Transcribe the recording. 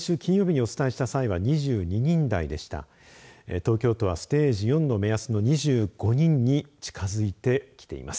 東京都はステージ４の目安の２５人に近づいてきています。